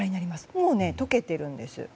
もうね、とけてるんです。